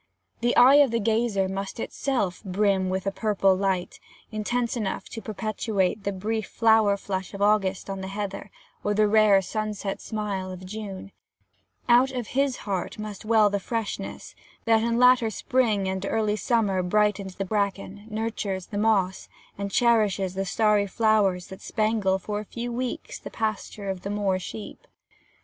The eye of the gazer must ITSELF brim with a "purple light," intense enough to perpetuate the brief flower flush of August on the heather, or the rare sunset smile of June; out of his heart must well the freshness, that in latter spring and early summer brightens the bracken, nurtures the moss, and cherishes the starry flowers that spangle for a few weeks the pasture of the moor sheep.